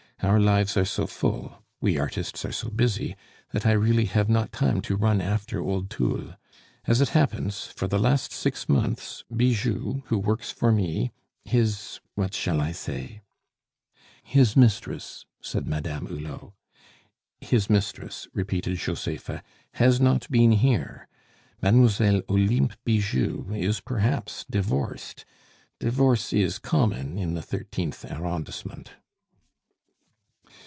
Our lives are so full, we artists are so busy, that I really have not time to run after old Thoul. As it happens, for the last six months, Bijou, who works for me his what shall I say ?" "His mistress," said Madame Hulot. "His mistress," repeated Josepha, "has not been here. Mademoiselle Olympe Bijou is perhaps divorced. Divorce is common in the thirteenth arrondissement."